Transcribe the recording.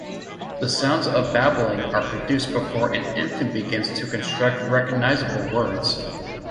The sounds of babbling are produced before an infant begins to construct recognizable words.